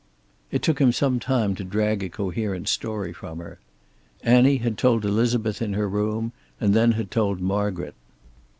It took him some time to drag a coherent story from her. Annie had told Elizabeth in her room, and then had told Margaret.